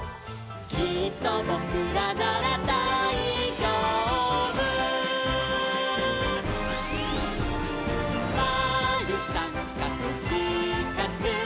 「きっとぼくらならだいじょうぶ」「まるさんかくしかく」